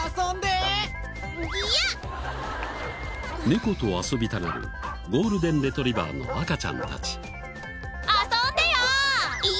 猫と遊びたがるゴールデンレトリバーの赤ちゃんたち。